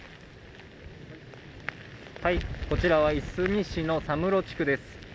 こちらはいすみ市の佐室地区です。